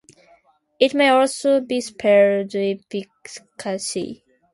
It may also be spelled "epicaricacy".